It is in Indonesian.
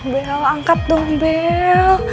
bel angkat dong bel